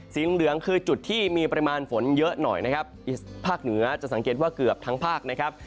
เหลืองคือจุดที่มีปริมาณฝนเยอะหน่อยนะครับอีกภาคเหนือจะสังเกตว่าเกือบทั้งภาคนะครับ